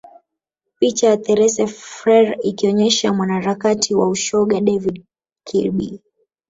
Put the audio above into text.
Picha ya Therese Frare ikionyesha mwanaharakati wa ushoga David Kirby